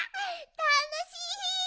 たのしい！